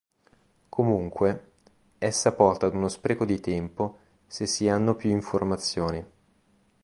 Comunque, essa porta ad uno spreco di tempo se si hanno più informazioni.